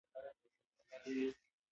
سیاسي پروسه د ولس غوښتنه ده